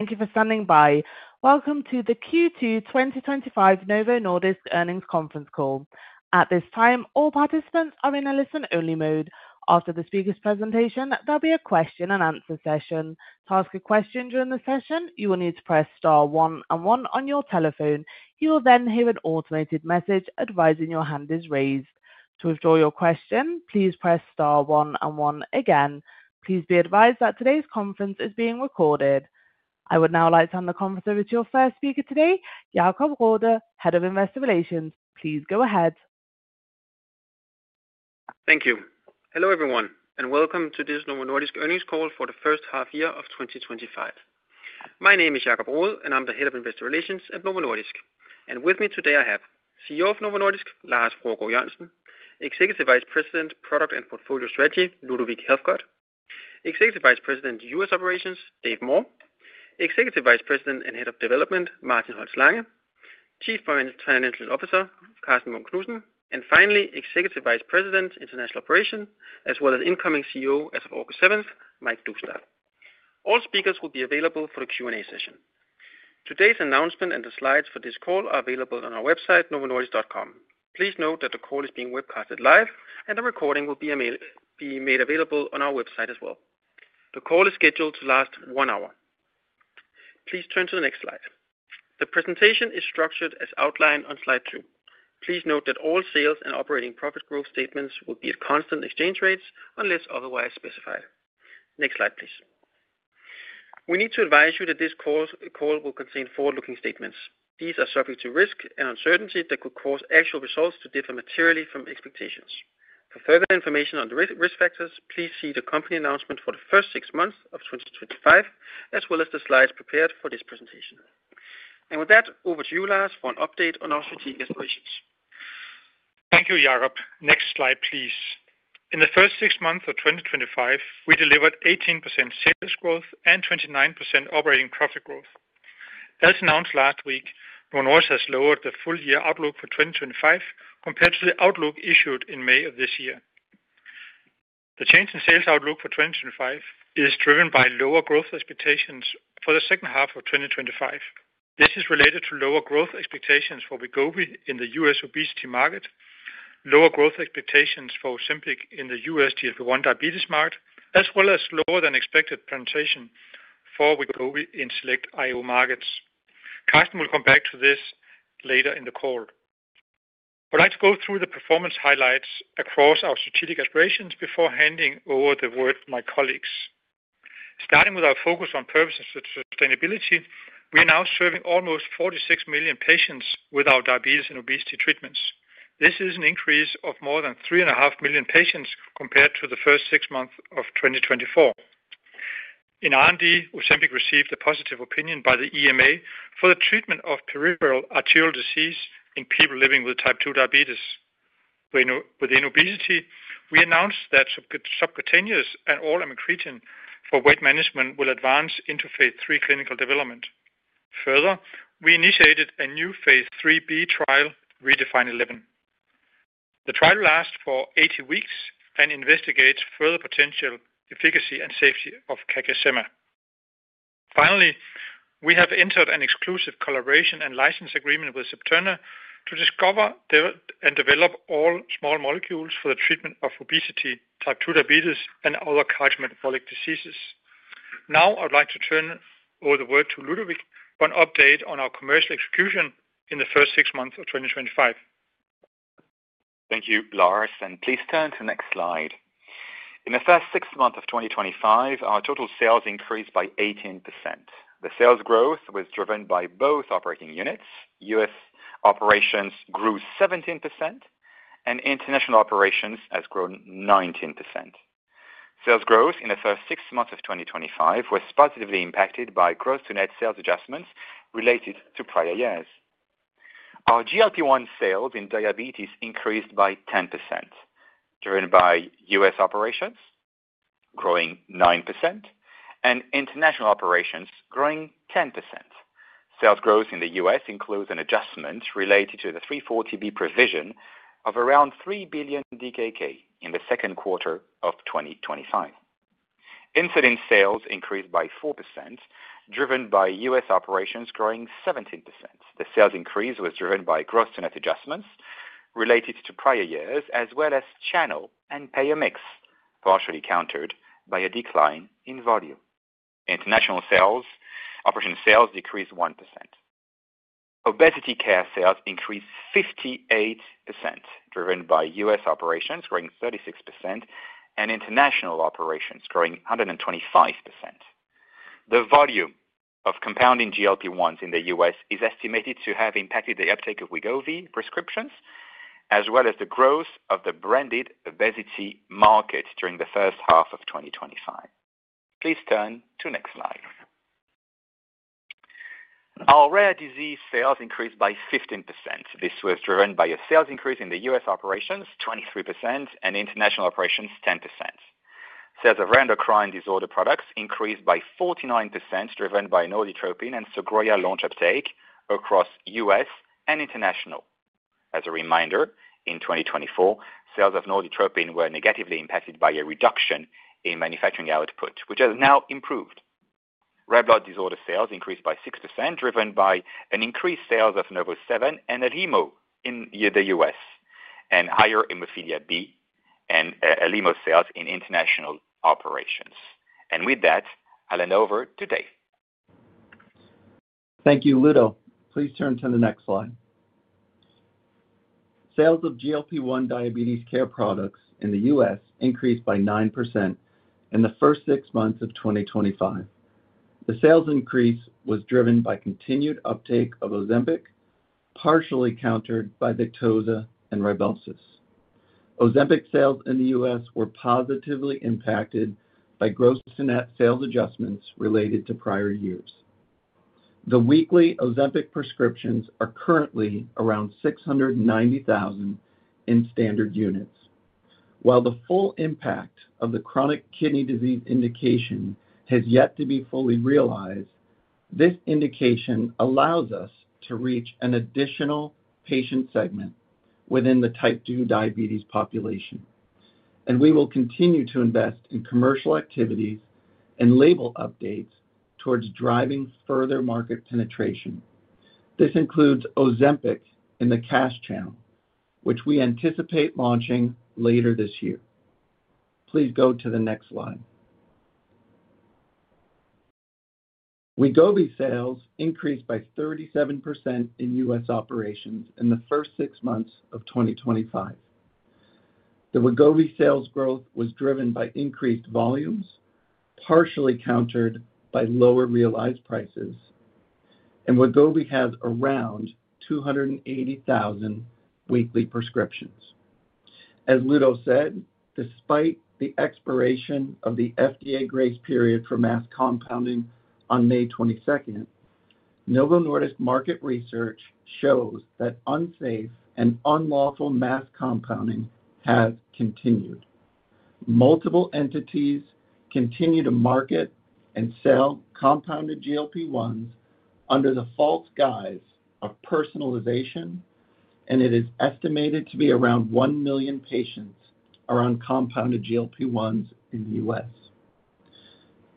Thank you for standing by. Welcome to the Q2 2025 Novo Nordisk earnings conference call. At this time, all participants are in a listen-only mode. After the speaker's presentation, there'll be a question and answer session. To ask a question during the session, you will need to press star one and one on your telephone. You will then hear an automated message advising your hand is raised. To withdraw your question, please press star one and one again. Please be advised that today's conference is being recorded. I would now like to hand the conference over to our first speaker today, Jacob Wiborg Rode, Head of Investor Relations. Please go ahead. Thank you. Hello everyone, and welcome to this Novo Nordisk earnings call for the first half year of 2025. My name is Jacob Wiborg Rode, and I'm the Head of Investor Relations at Novo Nordisk. With me today, I have CEO of Novo Nordisk, Lars Fruergaard Jørgensen, Executive Vice President, Product and Portfolio Strategy, Ludovic Helfgott, Executive Vice President, US Operations, Dave Moore, Executive Vice President and Head of Development, Martin Holst Lange, Chief Financial Officer, Karsten Munk Knudsen, and finally, Executive Vice President, International Operations, as well as incoming CEO as of August 7th, Maziar Doustdar. All speakers will be available for the Q&A session. Today's announcement and the slides for this call are available on our website, novonordisk.com. Please note that the call is being webcast live, and the recording will be made available on our website as well. The call is scheduled to last one hour. Please turn to the next slide. The presentation is structured as outlined on slide two. Please note that all sales and operating profit growth statements will be at constant exchange rates unless otherwise specified. Next slide, please. We need to advise you that this call will contain forward-looking statements. These are subject to risk and uncertainty that could cause actual results to differ materially from expectations. For further information on the risk factors, please see the company announcement for the first six months of 2025, as well as the slides prepared for this presentation. With that, over to you, Lars, for an update on our strategic aspirations. Thank you, Jacob. Next slide, please. In the first six months of 2025, we delivered 18% sales growth and 29% operating profit growth. As announced last week, Novo Nordisk has lowered the full-year outlook for 2025 compared to the outlook issued in May of this year. The change in sales outlook for 2025 is driven by lower growth expectations for the second half of 2025. This is related to lower growth expectations for Wegovy in the U.S. obesity market, lower growth expectations for Ozempic in the U.S. GLP-1 diabetes market, as well as lower than expected penetration for Wegovy in select IO markets. Karsten will come back to this later in the call. Let's go through the performance highlights across our strategic aspirations before handing over the word to my colleagues. Starting with our focus on purpose and sustainability, we are now serving almost 46 million patients with our diabetes and obesity treatments. This is an increase of more than 3.5 million patients compared to the first six months of 2024. In R&D, Ozempic received a positive opinion by the EMA for the treatment of peripheral arterial disease in people living with type 2 diabetes. Within obesity, we announced that subcutaneous and oral amycretin for weight management will advance into phase III clinical development. Further, we initiated a new phase III-B trial, REDEFINE 11. The trial lasts for 80 weeks and investigates further potential efficacy and safety of CagriSema. Finally, we have entered an exclusive collaboration and license agreement with Septerna to discover and develop oral small molecules for the treatment of obesity, type 2 diabetes, and other cardiometabolic diseases. Now, I would like to turn over the word to Ludovic for an update on our commercial execution in the first six months of 2025. Thank you, Lars, and please turn to the next slide. In the first six months of 2025, our total sales increased by 18%. The sales growth was driven by both operating units. U.S. operations grew 17%, and International Operations has grown 19%. Sales growth in the first six months of 2025 was positively impacted by gross-to-net sales adjustments related to prior years. Our GLP-1 sales in diabetes increased by 10%, driven by U.S. operations growing 9% and International Operations growing 10%. Sales growth in the U.S. includes an adjustment related to the 340B provision of around 3 billion DKK in the second quarter of 2025. Insulin sales increased by 4%, driven by U.S. operations growing 17%. The sales increase was driven by gross-to-net adjustments related to prior years, as well as channel and payer mix, partially countered by a decline in volume. International Operations sales decreased 1%. Obesity care sales increased 58%, driven by U.S. operations growing 36% and International Operations growing 125%. The volume of compounding GLP-1s in the U.S. is estimated to have impacted the uptake of Wegovy prescriptions, as well as the growth of the branded obesity market during the first half of 2025. Please turn to the next slide. Our rare disease sales increased by 15%. This was driven by a sales increase in the U.S. operations 23% and International Operations 10%. Sales of rare endocrine disorder products increased by 49%, driven by Norditropin and Sogroya launch uptake across U.S. and International. As a reminder, in 2024, sales of Norditropin were negatively impacted by a reduction in manufacturing output, which has now improved. Rare blood disorder sales increased by 6%, driven by increased sales of NovoSeven and Alhemo in the U.S., and higher hemophilia B and Alhemo sales in International Operations. With that, I'll hand over to Dave. Thank you, Ludo. Please turn to the next slide. Sales of GLP-1 diabetes care products in the U.S. increased by 9% in the first six months of 2025. The sales increase was driven by continued uptake of Ozempic, partially countered by Victoza and Rybelsus. Ozempic sales in the U.S. were positively impacted by growth-to-net-sales adjustments related to prior years. The weekly Ozempic prescriptions are currently around 690,000 in standard units. While the full impact of the chronic kidney disease indication has yet to be fully realized, this indication allows us to reach an additional patient segment within the type 2 diabetes population. We will continue to invest in commercial activities and label updates towards driving further market penetration. This includes Ozempic in the cash channel, which we anticipate launching later this year. Please go to the next slide. Wegovy sales increased by 37% in U.S. operations in the first six months of 2025. The Wegovy sales growth was driven by increased volumes, partially countered by lower realized prices, and Wegovy has around 280,000 weekly prescriptions. As Ludo said, despite the expiration of the FDA grace period for mass compounding on May 22, Novo Nordisk market research shows that unsafe and unlawful mass compounding has continued. Multiple entities continue to market and sell compounded GLP-1s under the false guise of personalization, and it is estimated to be around 1 million patients are on compounded GLP-1s in the U.S.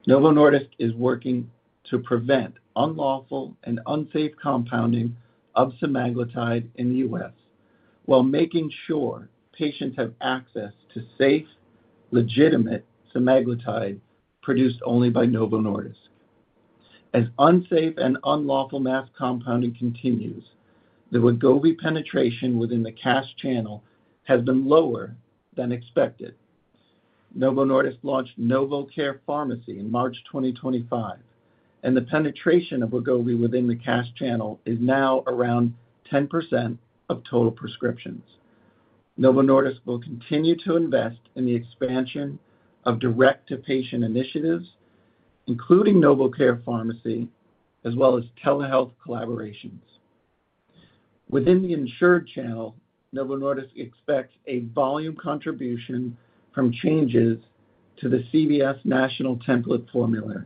Novo Nordisk is working to prevent unlawful and unsafe compounding of semaglutide in the U.S. while making sure patients have access to safe, legitimate semaglutide produced only by Novo Nordisk. As unsafe and unlawful mass compounding continues, the Wegovy penetration within the cash channel has been lower than expected. Novo Nordisk launched NovoCare Pharmacy in March 2025, and the penetration of Wegovy within the cash channel is now around 10% of total prescriptions. Novo Nordisk will continue to invest in the expansion of direct-to-patient initiatives, including NovoCare Pharmacy, as well as telehealth collaborations. Within the insured channel, Novo Nordisk expects a volume contribution from changes to the CVS National Template Formulary.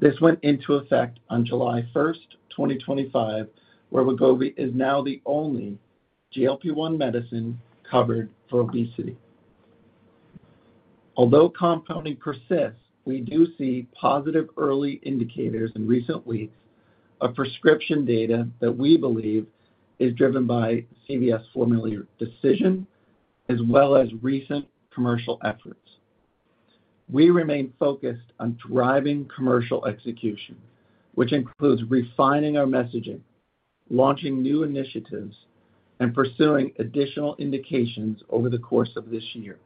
This went into effect on July 1, 2025, where Wegovy is now the only GLP-1 medicine covered for obesity. Although compounding persists, we do see positive early indicators in recent weeks of prescription data that we believe is driven by the CVS formulary decision, as well as recent commercial efforts. We remain focused on driving commercial execution, which includes refining our messaging, launching new initiatives, and pursuing additional indications over the course of this year.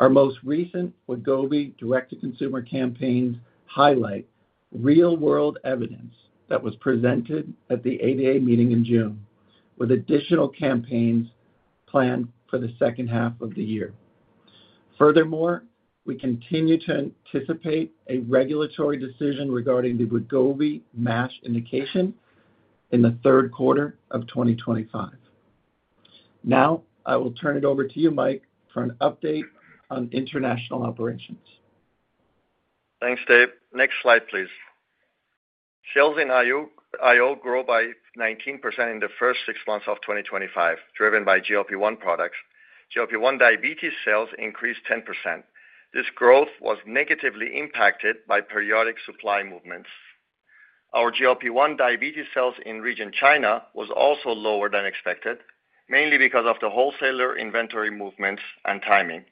Our most recent Wegovy direct-to-consumer campaigns highlight real-world evidence that was presented at the ADA meeting in June, with additional campaigns planned for the second half of the year. Furthermore, we continue to anticipate a regulatory decision regarding the Wegovy MASH indication in the third quarter of 2025. Now, I will turn it over to you, Mike, for an update on International Operations. Thanks, Dave. Next slide, please. Sales in International Operations grew by 19% in the first six months of 2025, driven by GLP-1 products. GLP-1 diabetes sales increased 10%. This growth was negatively impacted by periodic supply movements. Our GLP-1 diabetes sales in region China were also lower than expected, mainly because of the wholesaler inventory movements and timing.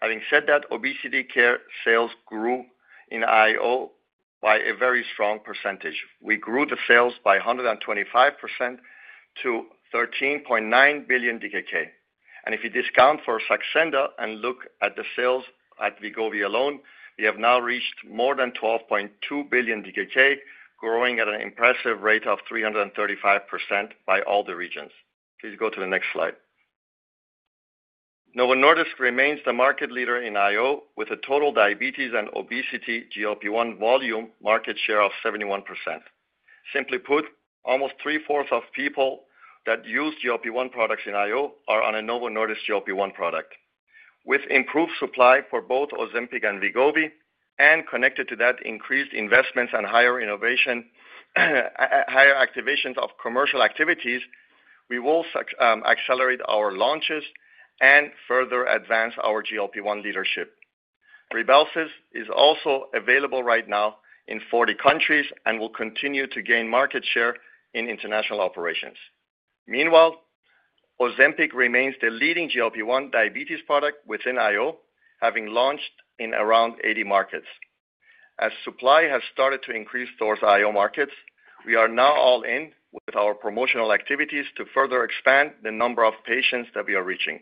Having said that, obesity care sales grew in International Operations by a very strong percentage. We grew the sales by 125% to 13.9 billion DKK. If you discount for Saxenda and look at the sales at Wegovy alone, we have now reached more than 12.2 billion DKK, growing at an impressive rate of 335% by all the regions. Please go to the next slide. Novo Nordisk remains the market leader in International Operations, with a total diabetes and obesity GLP-1 volume market share of 71%. Simply put, almost three-fourths of people that use GLP-1 products in International Operations are on a Novo Nordisk GLP-1 product. With improved supply for both Ozempic and Wegovy, and connected to that, increased investments and higher activations of commercial activities, we will accelerate our launches and further advance our GLP-1 leadership. Rybelsus is also available right now in 40 countries and will continue to gain market share in International Operations. Meanwhile, Ozempic remains the leading GLP-1 diabetes product within International Operations, having launched in around 80 markets. As supply has started to increase towards International Operations markets, we are now all in with our promotional activities to further expand the number of patients that we are reaching.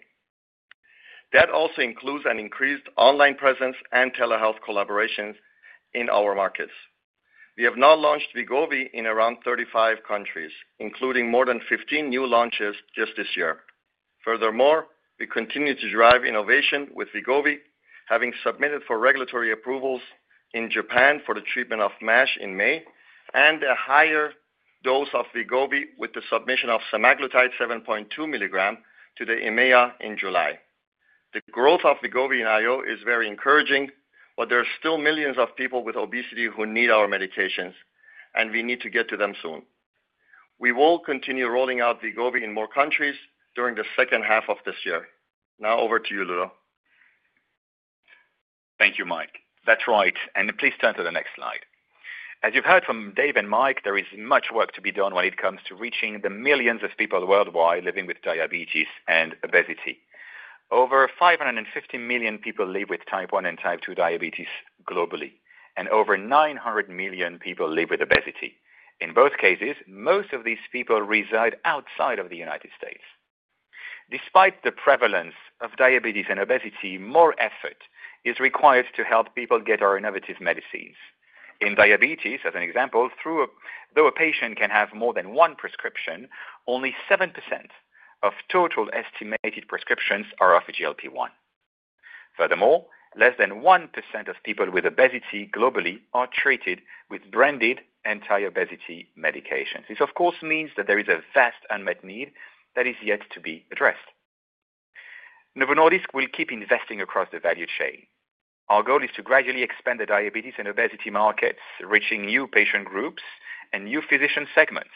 That also includes an increased online presence and telehealth collaborations in our markets. We have now launched Wegovy in around 35 countries, including more than 15 new launches just this year. Furthermore, we continue to drive innovation with Wegovy, having submitted for regulatory approvals in Japan for the treatment of MASH in May, and a higher dose of Wegovy with the submission of semaglutide 7.2 mg to the EMEA in July. The growth of Wegovy in International Operations is very encouraging, but there are still millions of people with obesity who need our medications, and we need to get to them soon. We will continue rolling out Wegovy in more countries during the second half of this year. Now, over to you, Ludo. Thank you, Mike. That's right. Please turn to the next slide. As you've heard from Dave and Mike, there is much work to be done when it comes to reaching the millions of people worldwide living with diabetes and obesity. Over 550 million people live with type 1 and type 2 diabetes globally, and over 900 million people live with obesity. In both cases, most of these people reside outside of the U.S. Despite the prevalence of diabetes and obesity, more effort is required to help people get our innovative medicines. In diabetes, as an example, though a patient can have more than one prescription, only 7% of total estimated prescriptions are of GLP-1. Furthermore, less than 1% of people with obesity globally are treated with branded anti-obesity medications. This, of course, means that there is a vast unmet need that is yet to be addressed. Novo Nordisk will keep investing across the value chain. Our goal is to gradually expand the diabetes and obesity markets, reaching new patient groups and new physician segments.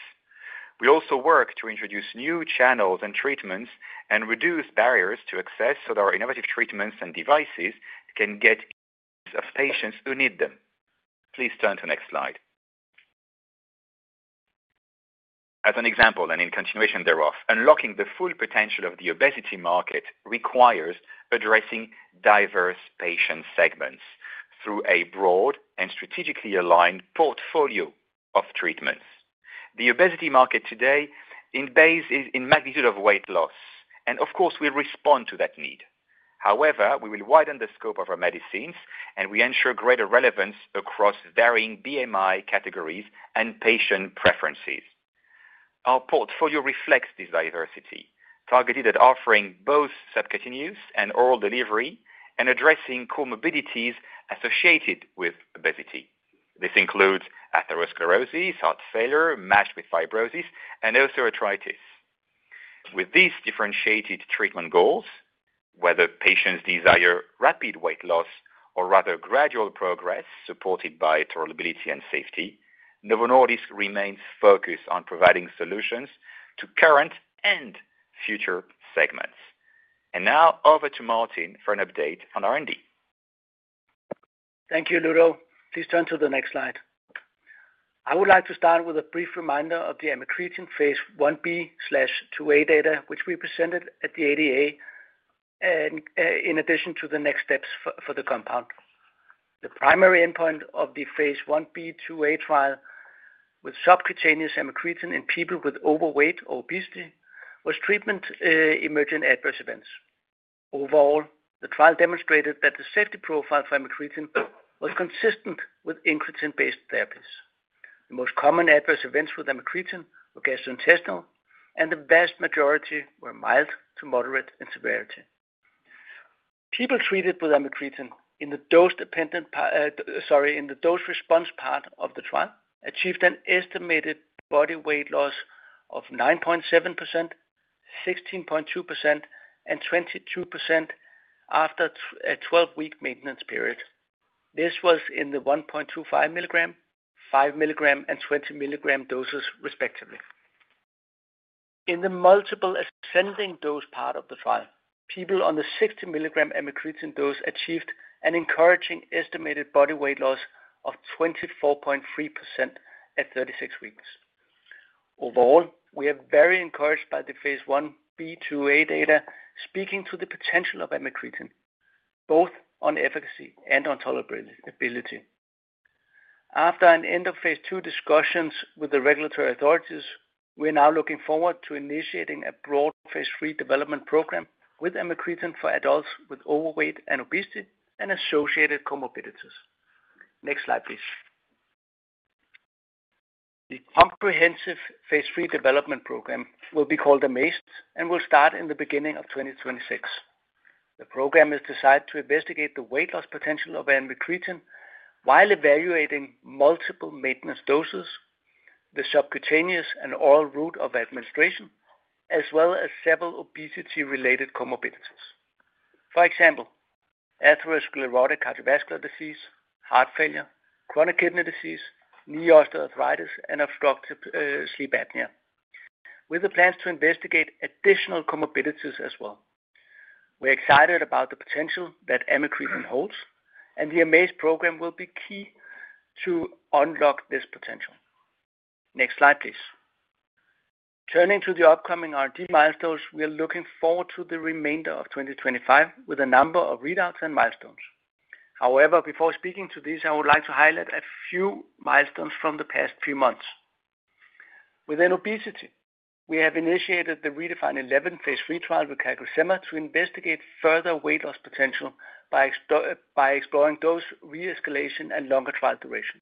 We also work to introduce new channels and treatments and reduce barriers to access so that our innovative treatments and devices can get to patients who need them. Please turn to the next slide. As an example, and in continuation thereof, unlocking the full potential of the obesity market requires addressing diverse patient segments through a broad and strategically aligned portfolio of treatments. The obesity market today is in magnitude of weight loss, and of course, we respond to that need. However, we will widen the scope of our medicines, and we ensure greater relevance across varying BMI categories and patient preferences. Our portfolio reflects this diversity, targeted at offering both subcutaneous and oral delivery and addressing comorbidities associated with obesity. This includes atherosclerosis, heart failure, MASH with fibrosis, and osteoarthritis. With these differentiated treatment goals, whether patients desire rapid weight loss or rather gradual progress supported by tolerability and safety, Novo Nordisk remains focused on providing solutions to current and future segments. Now, over to Martin for an update on R&D. Thank you, Ludo. Please turn to the next slide. I would like to start with a brief reminder of the amycretin phase I-B/2A data, which we presented at the ADA, in addition to the next steps for the compound. The primary endpoint of the phase I-B/2A trial with subcutaneous amycretin in people with overweight or obesity was treatment emergent adverse events. Overall, the trial demonstrated that the safety profile for amycretin was consistent with incretin-based therapies. The most common adverse events with amycretin were gastrointestinal, and the vast majority were mild to moderate in severity. People treated with amycretin in the dose-response part of the trial achieved an estimated body weight loss of 9.7%, 16.2%, and 22% after a 12-week maintenance period. This was in the 1.25 mg, 5 mg, and 20 mg doses, respectively. In the multiple ascending dose part of the trial, people on the 60 mg amycretin dose achieved an encouraging estimated body weight loss of 24.3% at 36 weeks. Overall, we are very encouraged by the phase I-B/2A data, speaking to the potential of amycretin, both on efficacy and on tolerability. After end of phase two discussions with the regulatory authorities, we are now looking forward to initiating a broad phase III development program with amycretin for adults with overweight and obesity and associated comorbidities. Next slide, please. The comprehensive phase III development program will be called the AMAZE and will start in the beginning of 2026. The program is designed to investigate the weight loss potential of amycretin while evaluating multiple maintenance doses, the subcutaneous and oral route of administration, as well as several obesity-related comorbidities. For example, atherosclerotic cardiovascular disease, heart failure, chronic kidney disease, knee osteoarthritis, and obstructive sleep apnea, with the plans to investigate additional comorbidities as well. We're excited about the potential that amycretin holds, and the AMAZE program will be key to unlock this potential. Next slide, please. Turning to the upcoming R&D milestones, we are looking forward to the remainder of 2025 with a number of readouts and milestones. However, before speaking to these, I would like to highlight a few milestones from the past few months. Within obesity, we have initiated the REDEFINE 11 phase III trial with CagriSema to investigate further weight loss potential by exploring dose re-escalation and longer trial duration.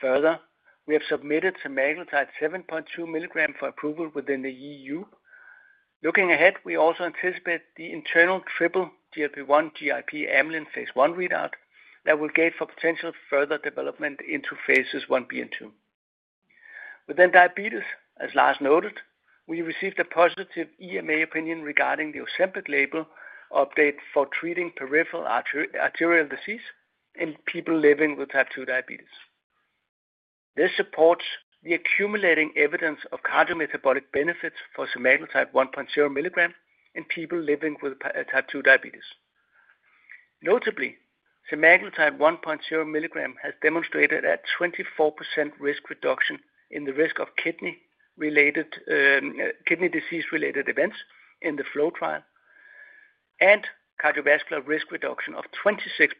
Further, we have submitted semaglutide 7.2 mg for approval within the EU. Looking ahead, we also anticipate the internal triple GLP-1/GIP amycretin phase I readout that will gate for potential further development into phases I-B and II. Within diabetes, as Lars noted, we received a positive EMA opinion regarding the Ozempic label update for treating peripheral arterial disease in people living with type 2 diabetes. This supports the accumulating evidence of cardiometabolic benefits for semaglutide 1.0 mg in people living with type 2 diabetes. Notably, semaglutide 1.0 mg has demonstrated a 24% risk reduction in the risk of kidney disease-related events in the FLOW trial and cardiovascular risk reduction of 26%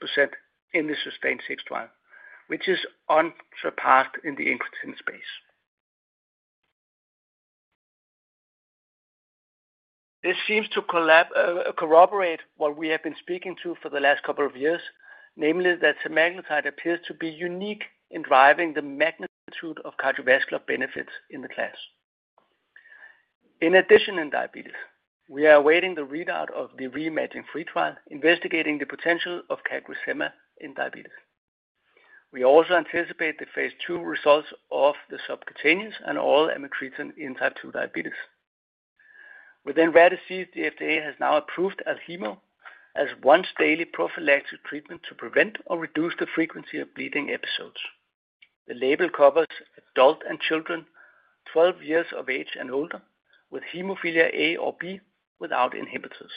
in the SUSTAIN-6 trial, which is unsurpassed in the incretin space. This seems to corroborate what we have been speaking to for the last couple of years, namely that semaglutide appears to be unique in driving the magnitude of cardiovascular benefits in the class. In addition, in diabetes, we are awaiting the readout of the iMMagine-3 trial, investigating the potential of CagriSema in diabetes. We also anticipate the phase two results of the subcutaneous and oral amycretin in type 2 diabetes. Within rare disease, the FDA has now approved Alhemo as once-daily prophylactic treatment to prevent or reduce the frequency of bleeding episodes. The label covers adults and children 12 years of age and older with hemophilia A or B without inhibitors.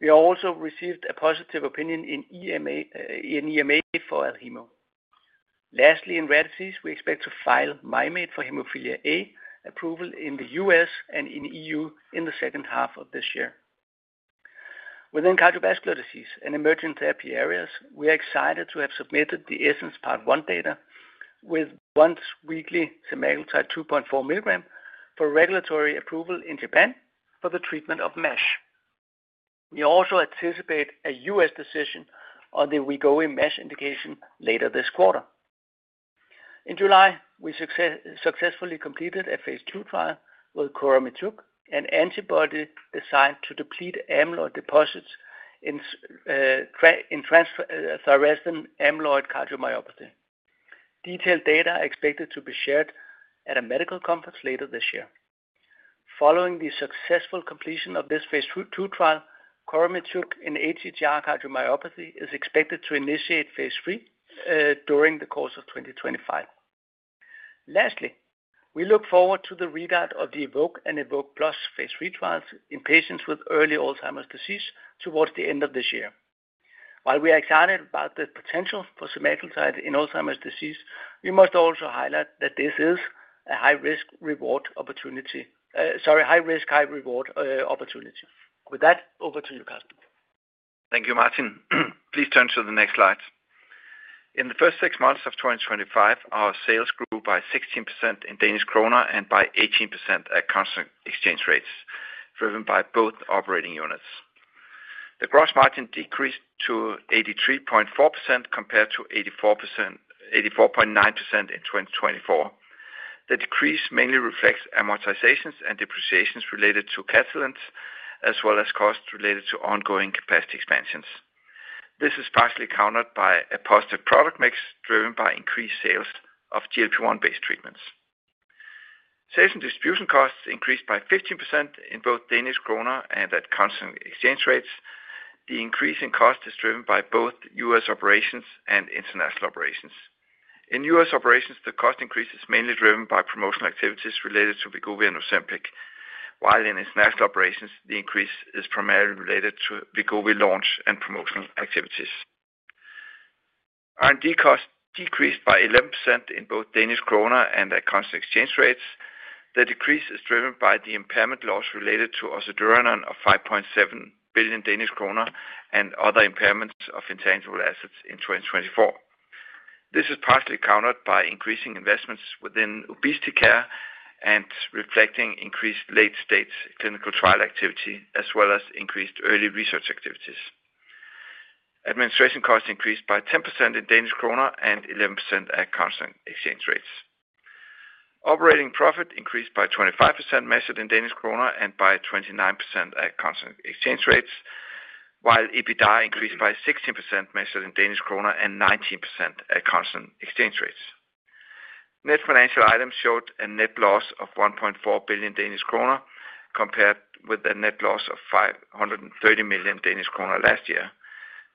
We also received a positive opinion in EMA for Alhemo. Lastly, in rare disease, we expect to file MYMATE for hemophilia A approval in the US and in the EU in the second half of this year. Within cardiovascular disease and emergent therapy areas, we are excited to have submitted the ESSENCE Part 1 data with once-weekly semaglutide 2.4 mg for regulatory approval in Japan for the treatment of MASH. We also anticipate a US decision on the Wegovy MASH indication later this quarter. In July, we successfully completed a phase II trial with Coramitug, an antibody designed to deplete amyloid deposits in transthyretin amyloid cardiomyopathy. Detailed data are expected to be shared at a medical conference later this year. Following the successful completion of this phase II trial, Coramitug in ATTR cardiomyopathy is expected to initiate phase III during the course of 2025. Lastly, we look forward to the readout of the EVOKE and EVOKE+ phase III trials in patients with early Alzheimer's disease towards the end of this year. While we are excited about the potential for semaglutide in Alzheimer's disease, we must also highlight that this is a high-risk, high-reward opportunity. With that, over to you, Karsten. Thank you, Martin. Please turn to the next slide. In the first six months of 2025, our sales grew by 16% in Danish kroner and by 18% at constant exchange rates, driven by both operating units. The gross margin decreased to 83.4% compared to 84.9% in 2024. The decrease mainly reflects amortizations and depreciations related to capacity lines, as well as costs related to ongoing capacity expansions. This is partially countered by a positive product mix driven by increased sales of GLP-1-based treatments. Sales and distribution costs increased by 15% in both Danish kroner and at constant exchange rates. The increase in cost is driven by both U.S. operations and International Operations. In U.S. operations, the cost increase is mainly driven by promotional activities related to Wegovy and Ozempic, while in International Operations, the increase is primarily related to the Wegovy launch and promotional activities. R&D costs decreased by 11% in both Danish kroner and at constant exchange rates. The decrease is driven by the impairment loss related to ocedurenone of 5.7 billion Danish kroner and other impairments of intangible assets in 2024. This is partially countered by increasing investments within obesity care and reflecting increased late-stage clinical trial activity, as well as increased early research activities. Administration costs increased by 10% in Danish kroner and 11% at constant exchange rates. Operating profit increased by 25% measured in Danish kroner and by 29% at constant exchange rates, while EBITDA increased by 16% measured in Danish kroner and 19% at constant exchange rates. Net financial items showed a net loss of 1.4 billion Danish kroner compared with a net loss of 530 million Danish kroner last year.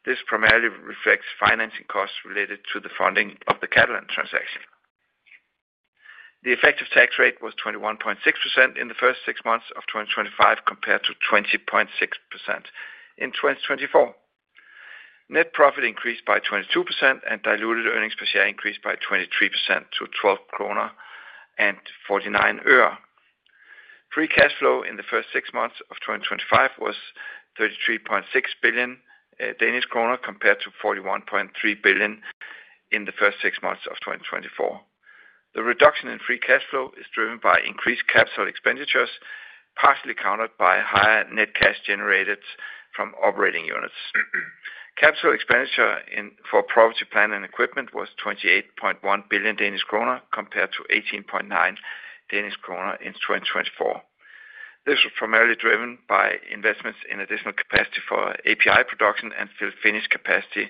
This primarily reflects financing costs related to the funding of the Catalent transaction. The effective tax rate was 21.6% in the first six months of 2025 compared to 20.6% in 2024. Net profit increased by 22% and diluted earnings per share increased by 23% to 12.49 krone. Free cash flow in the first six months of 2025 was 33.6 billion Danish kroner compared to 41.3 billion in the first six months of 2024. The reduction in free cash flow is driven by increased capital expenditures, partially countered by higher net cash generated from operating units. Capital expenditure for property, plant, and equipment was 28.1 billion Danish kroner compared to 18.9 billion Danish kroner in 2024. This was primarily driven by investments in additional capacity for API production and fill-finish capacity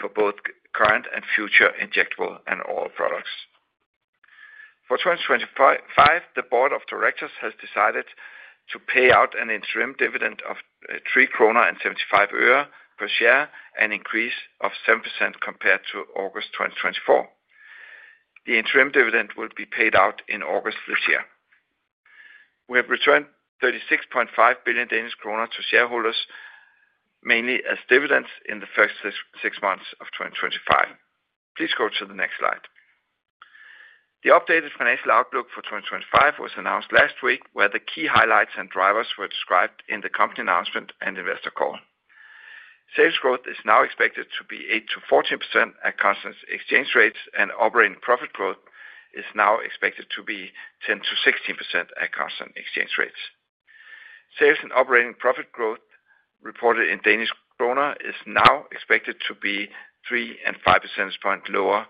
for both current and future injectable and oral products. For 2025, the Board of Directors has decided to pay out an interim dividend of DKK 3.75 per share, an increase of 7% compared to August 2024. The interim dividend will be paid out in August this year. We have returned 36.5 billion Danish kroner to shareholders, mainly as dividends in the first six months of 2025. Please go to the next slide. The updated financial outlook for 2025 was announced last week, where the key highlights and drivers were described in the company announcement and investor call. Sales growth is now expected to be 8%-14% at constant exchange rates, and operating profit growth is now expected to be 10%-16% at constant exchange rates. Sales and operating profit growth reported in Danish kroner is now expected to be 3 and 5 percentage points lower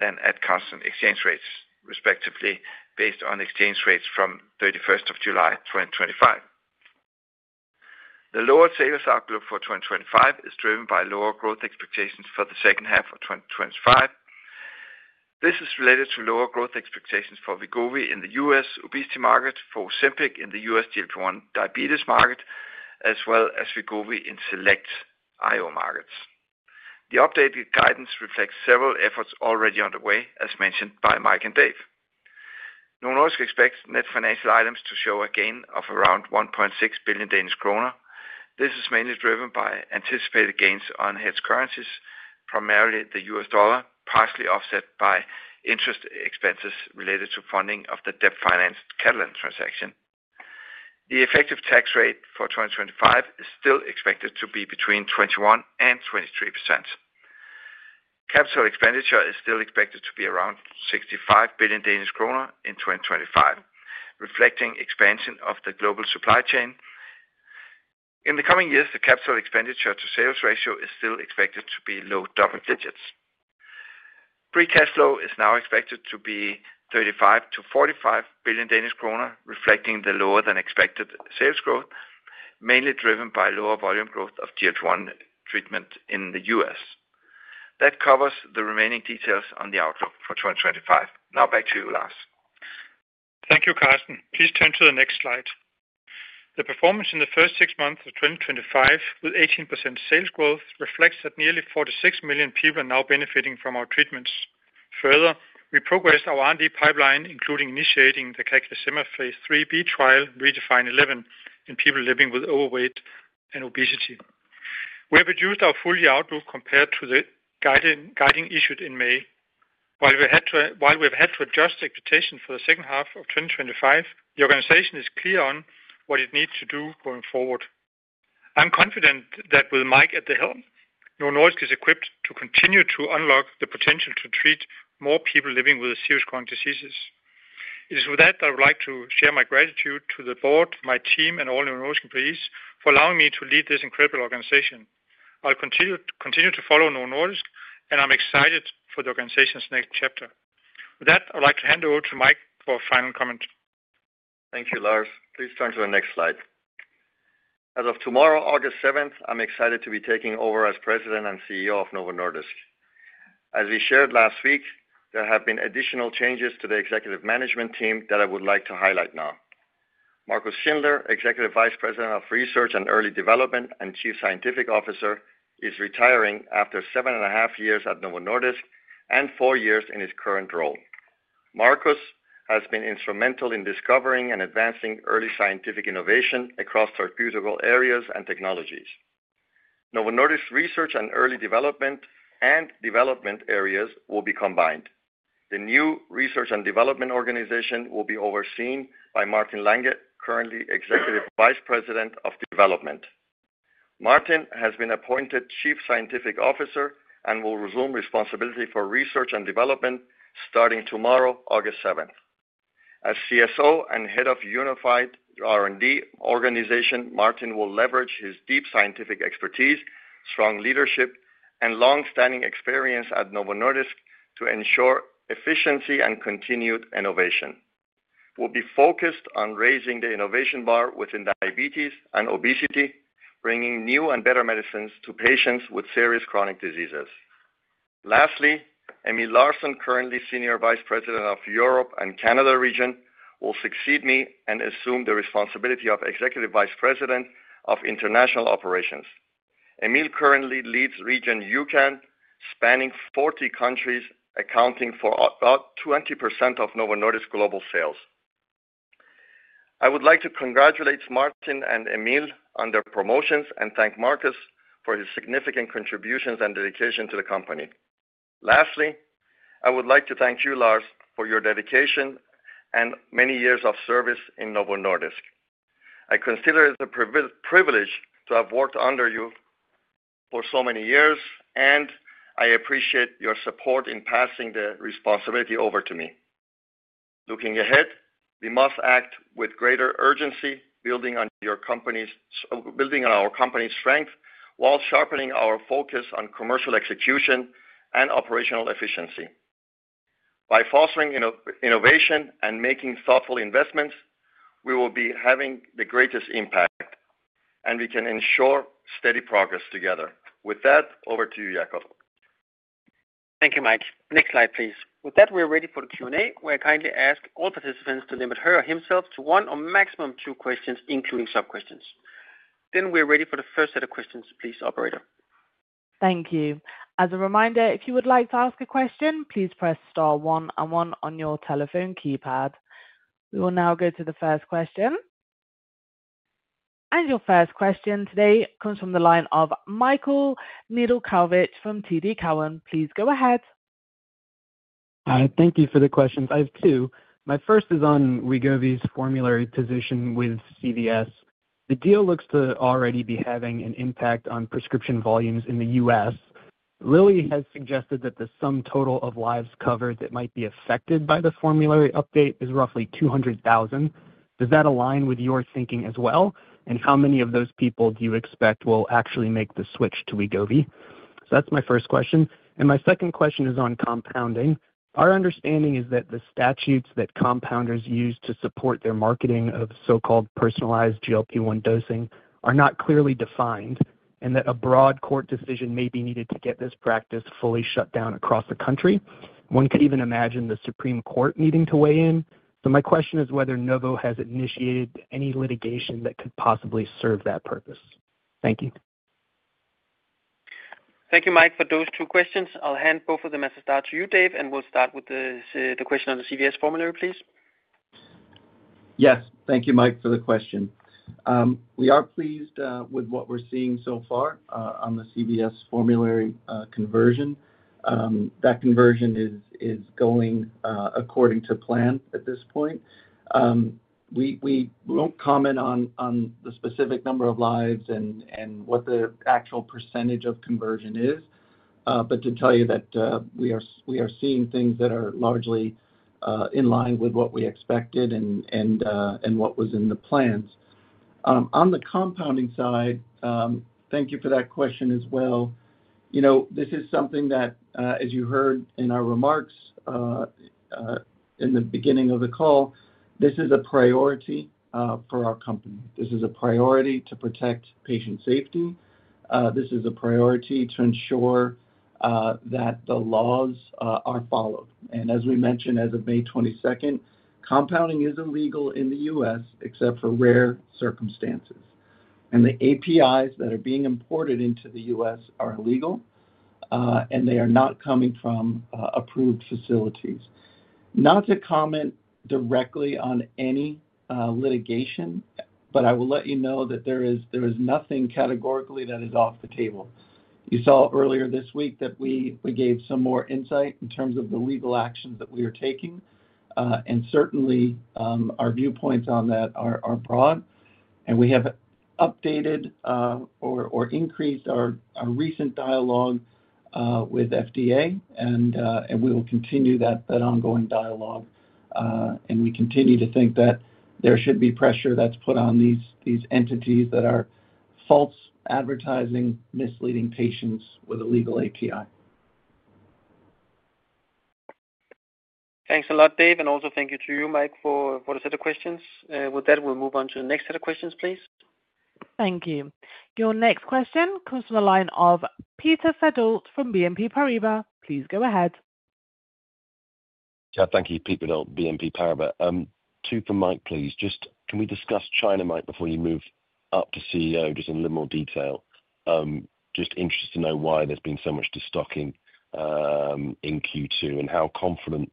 than at constant exchange rates, respectively, based on exchange rates from July 31, 2025. The lowered sales outlook for 2025 is driven by lower growth expectations for the second half of 2025. This is related to lower growth expectations for Wegovy in the U.S. obesity market, for Ozempic in the U.S. GLP-1 diabetes market, as well as Wegovy in select International Operations markets. The updated guidance reflects several efforts already underway, as mentioned by Mike and Dave. Novo Nordisk expects net financial items to show a gain of around 1.6 billion Danish kroner. This is mainly driven by anticipated gains on hedge currencies, primarily the U.S. dollar, partially offset by interest expenses related to funding of the debt-financed Catalent transaction. The effective tax rate for 2025 is still expected to be between 21% and 23%. Capital expenditures are still expected to be around 65 billion Danish kroner in 2025, reflecting expansion of the global supply chain. In the coming years, the capital expenditure to sales ratio is still expected to be low double digits. Free cash flow is now expected to be 35 billion to 45 billion Danish kroner, reflecting the lower than expected sales growth, mainly driven by lower volume growth of GLP-1 treatment in the U.S. That covers the remaining details on the outlook for 2025. Now back to you, Lars. Thank you, Karsten. Please turn to the next slide. The performance in the first six months of 2025, with 18% sales growth, reflects that nearly 46 million people are now benefiting from our treatments. Further, we progressed our R&D pipeline, including initiating the CagriSema phase 3B trial, Redefine 11, in people living with overweight and obesity. We have reduced our full year outlook compared to the guidance issued in May. While we have had to adjust expectations for the second half of 2025, the organization is clear on what it needs to do going forward. I'm confident that with Mike at the helm, Novo Nordisk is equipped to continue to unlock the potential to treat more people living with serious chronic diseases. It is with that that I would like to share my gratitude to the board, my team, and all Novo Nordisk employees for allowing me to lead this incredible organization. I'll continue to follow Novo Nordisk, and I'm excited for the organization's next chapter. With that, I would like to hand over to Mike for a final comment. Thank you, Lars. Please turn to the next slide. As of tomorrow, August 7, I'm excited to be taking over as President and CEO of Novo Nordisk. As we shared last week, there have been additional changes to the Executive Management team that I would like to highlight now. Marcus Schindler, Executive Vice President of Research and Early Development and Chief Scientific Officer, is retiring after seven and a half years at Novo Nordisk and four years in his current role. Marcus has been instrumental in discovering and advancing early scientific innovation across reputable areas and technologies. Novo Nordisk's Research and Early Development and Development areas will be combined. The new Research and Development organization will be overseen by Martin Holst Lange, currently Executive Vice President of Development. Martin has been appointed Chief Scientific Officer and will resume responsibility for Research and Development starting tomorrow, August 7. As CSO and Head of Unified R&D Organization, Martin will leverage his deep scientific expertise, strong leadership, and longstanding experience at Novo Nordisk to ensure efficiency and continued innovation. He will be focused on raising the innovation bar within diabetes and obesity, bringing new and better medicines to patients with serious chronic diseases. Lastly, Emil Larsson, currently Senior Vice President of Europe and Canada region, will succeed me and assume the responsibility of Executive Vice President of International Operations. Emil currently leads region UCAN, spanning 40 countries, accounting for about 20% of Novo Nordisk global sales. I would like to congratulate Martin and Emil on their promotions and thank Marcus for his significant contributions and dedication to the company. Lastly, I would like to thank you, Lars, for your dedication and many years of service in Novo Nordisk. I consider it a privilege to have worked under you for so many years, and I appreciate your support in passing the responsibility over to me. Looking ahead, we must act with greater urgency, building on our company's strength while sharpening our focus on commercial execution and operational efficiency. By fostering innovation and making thoughtful investments, we will be having the greatest impact, and we can ensure steady progress together. With that, over to you, Jacob. Thank you, Mike. Next slide, please. With that, we're ready for the Q&A. We're kindly asking all participants to limit herself to one or maximum two questions, including sub-questions. We're ready for the first set of questions. Please, operator. Thank you. As a reminder, if you would like to ask a question, please press star one and one on your telephone keypad. We will now go to the first question. Your first question today comes from the line of Michael Nedelcovych from TD Cowen. Please go ahead. Thank you for the questions. I have two. My first is on Wegovy's formulary position with CVS. The deal looks to already be having an impact on prescription volumes in the US. Lilly has suggested that the sum total of lives covered that might be affected by the formulary update is roughly 200,000. Does that align with your thinking as well? How many of those people do you expect will actually make the switch to Wegovy? That is my first question. My second question is on compounding. Our understanding is that the statutes that compounders use to support their marketing of so-called personalized GLP-1 dosing are not clearly defined, and that a broad court decision may be needed to get this practice fully shut down across the country. One could even imagine the Supreme Court needing to weigh in. My question is whether Novo Nordisk has initiated any litigation that could possibly serve that purpose. Thank you. Thank you, Mike, for those two questions. I'll hand both of them as a start to you, Dave, and we'll start with the question on the CVS formulary, please. Yes, thank you, Mike, for the question. We are pleased with what we're seeing so far on the CVS formulary conversion. That conversion is going according to plan at this point. We won't comment on the specific number of lives and what the actual % of conversion is, but to tell you that we are seeing things that are largely in line with what we expected and what was in the plans. On the compounding side, thank you for that question as well. This is something that, as you heard in our remarks in the beginning of the call, is a priority for our company. This is a priority to protect patient safety. This is a priority to ensure that the laws are followed. As we mentioned, as of May 22, compounding is illegal in the U.S. except for rare circumstances. The APIs that are being imported into the U.S.are illegal, and they are not coming from approved facilities. Not to comment directly on any litigation, but I will let you know that there is nothing categorically that is off the table. You saw earlier this week that we gave some more insight in terms of the legal actions that we are taking, and certainly our viewpoints on that are broad. We have updated or increased our recent dialogue with FDA, and we will continue that ongoing dialogue. We continue to think that there should be pressure that's put on these entities that are false advertising, misleading patients with illegal API. Thanks a lot, Dave, and also thank you to you, Mike, for the set of questions. With that, we'll move on to the next set of questions, please. Thank you. Your next question comes from the line of Peter Verdult from BNP Paribas. Please go ahead. Yeah, thank you, Peter Verdult, BNP Paribas. Two for Mike, please. Just can we discuss China, Mike, before you move up to CEO just in a little more detail? Just interested to know why there's been so much stocking in Q2 and how confident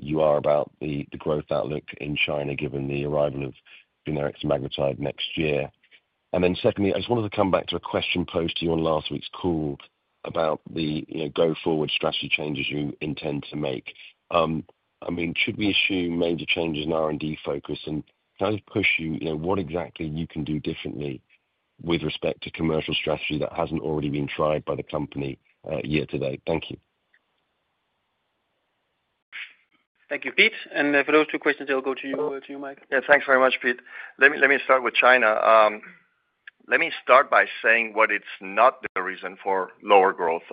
you are about the growth outlook in China given the arrival of generics and magnetide next year. Secondly, I just wanted to come back to a question posed to you on last week's call about the go forward strategy changes you intend to make. I mean, should we assume major changes in R&D focus? Can I just push you, you know, what exactly you can do differently with respect to commercial strategy that hasn't already been tried by the company year to date? Thank you. Thank you, Pete. For those two questions, I'll go to you, Mike. Yeah, thanks very much, Pete. Let me start with China. Let me start by saying what is not the reason for lower growth.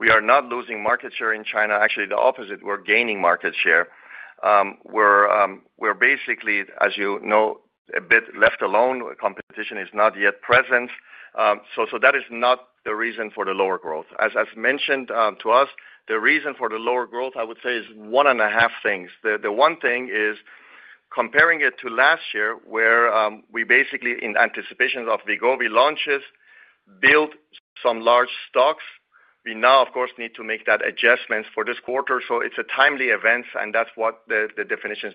We are not losing market share in China. Actually, the opposite, we're gaining market share. We're basically, as you know, a bit left alone. Competition is not yet present. That is not the reason for the lower growth. As mentioned to us, the reason for the lower growth, I would say, is one and a half things. The one thing is comparing it to last year, where we basically, in anticipation of Wegovy launches, built some large stocks. We now, of course, need to make that adjustment for this quarter. It's a timely event, and that's what the definitions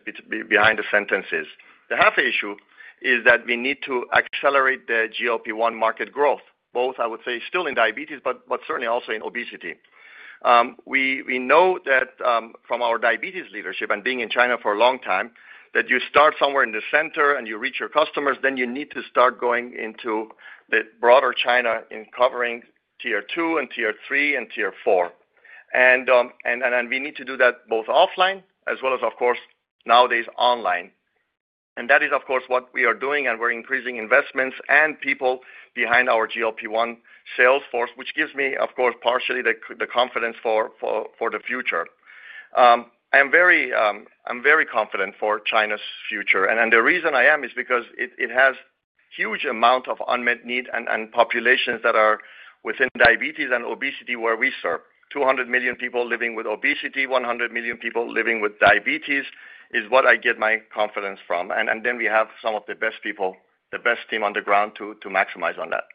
behind the sentence is. The half issue is that we need to accelerate the GLP-1 market growth, both, I would say, still in diabetes, but certainly also in obesity. We know that from our diabetes leadership and being in China for a long time, that you start somewhere in the center and you reach your customers, then you need to start going into the broader China in covering tier two and tier three and tier four. We need to do that both offline, as well as, of course, nowadays online. That is, of course, what we are doing, and we're increasing investments and people behind our GLP-1 sales force, which gives me, of course, partially the confidence for the future. I'm very confident for China's future. The reason I am is because it has a huge amount of unmet need and populations that are within diabetes and obesity where we serve. 200 million people living with obesity, 100 million people living with diabetes is what I get my confidence from. We have some of the best people, the best team on the ground to maximize on that.